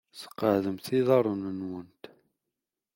Sqeɛdemt iḍarren-nwent.